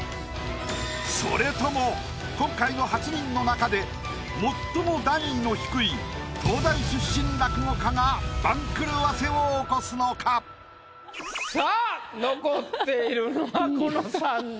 それとも今回の８人の中で最も段位の低い東大出身落語家が番狂わせを起こすのか⁉さあ残っているのはこの３人。